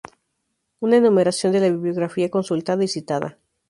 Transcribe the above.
Una enumeración de la bibliografía consultada y citada.